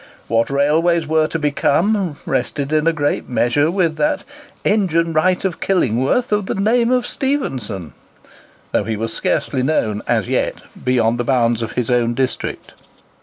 What railways were to become, rested in a great measure with that "engine wright of Killingworth, of the name of Stephenson," though he was scarcely known as yet beyond the bounds of his own district.